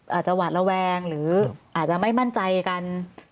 อาจจะหวาดระแวงหรืออาจจะไม่มั่นใจกัน